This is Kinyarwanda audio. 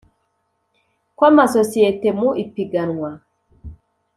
kw amasosiyete mu ipiganwa